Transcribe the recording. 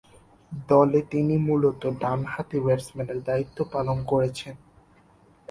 দলে তিনি মূলতঃ ডানহাতি ব্যাটসম্যানের দায়িত্ব পালন করেছেন।